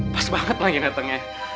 pas banget lagi datengnya